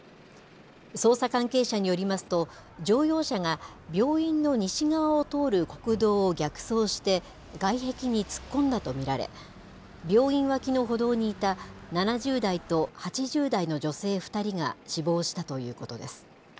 捜査関係者によりますと、乗用車が病院の西側を通る国道を逆走して外壁に突っ込んだと見られ、病院脇の歩道にいた７０代と８０代の女性２人が死亡したということです。